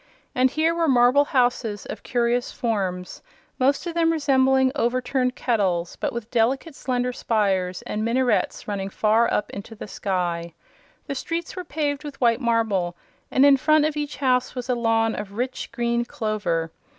And here were marble houses of curious forms, most of them resembling overturned kettles but with delicate slender spires and minarets running far up into the sky. The streets were paved with white marble and in front of each house was a lawn of rich green clover.